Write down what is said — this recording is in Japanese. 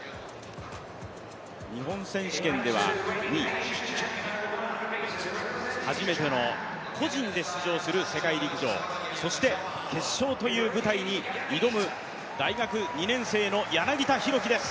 日本選手権では２位、初めての個人で出場する世界陸上、そして決勝という舞台に挑む大学２年生の柳田大輝です。